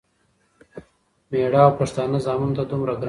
مېړه او پښتانه ځامنو ته دومره ګران دی،